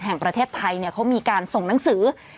แห่งประเทศไทยเขามีการส่งหนังสือ